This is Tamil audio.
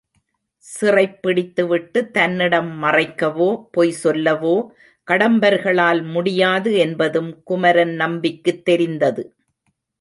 சிறைப்பிடித்துவிட்டு தன்னிடம் மறைக்கவோ, பொய் சொல்லவோ கடம்பர்களால் முடியாது என்பதும் குமரன் நம்பிக்குத் தெரிந்தது.